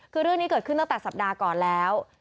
คือเรื่องนี้เกิดขึ้นตั้งแต่สัปดาห์ก่อนแล้ว